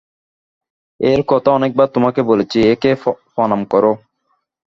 এঁর কথা অনেকবার তোমাকে বলেছি, এঁকে প্রণাম করো।